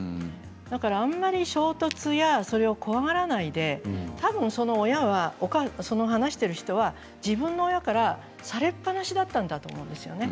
だからあまり衝突やそれを怖がらないで多分その親は話をしている人は自分の親からされっぱなしだったんだと思うんですよね。